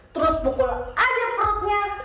terus pukul aja perutnya